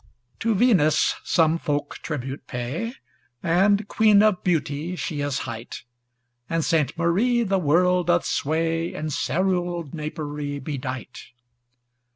To Venus some folk tribute pay, And Queen of Beauty she is hight, And Sainte Marie the world doth sway, In cerule napery bedight.